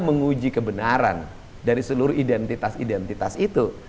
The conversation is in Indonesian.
menguji kebenaran dari seluruh identitas identitas itu